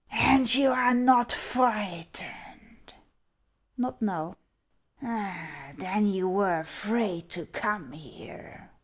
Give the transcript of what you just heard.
" And you are not frightened ?"" Not now " "Then you were afraid to come here?"